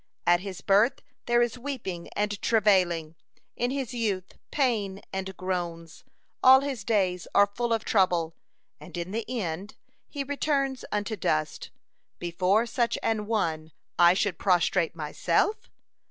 At his birth there is weeping and travailing, in his youth pain and groans, all his days are 'full of trouble,' and in the end he returns unto dust. Before such an one I should prostrate myself?